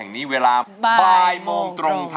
เรามีเวลาให้คุณวิมได้พัก